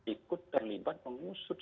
ikut terlibat mengusut